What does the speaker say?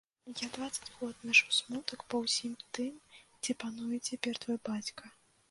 Я дваццаць год нашу смутак па ўсім тым, дзе пануе цяпер твой бацька.